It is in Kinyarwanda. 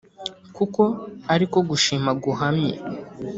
kuko ariko gushima guhamye